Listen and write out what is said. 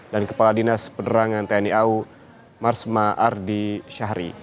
dan kepala dinas penerangan tni au marsma ardi syahri